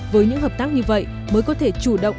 với những hợp tác như vậy mới có thể chủ động